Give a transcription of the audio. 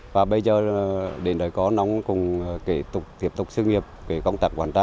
và bây giờ đến đời có nó cũng tiếp tục xương nghiệp công tạc quản trang